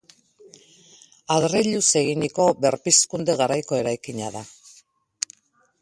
Adreiluz eginiko Berpizkunde garaiko eraikina da.